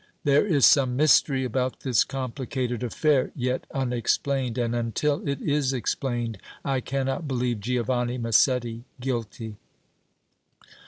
"There is some mystery about this complicated affair yet unexplained, and until it is explained I cannot believe Giovanni Massetti guilty!"